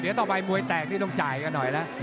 เดี๋ยวต่อไปมวยแตกนี่ต้องจ่ายกันหน่อยแล้ว